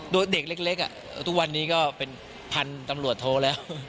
โดยเด็กเล็กทุกวันนี้ก็เป็นพันธุ์ตำรวจโทแล้ว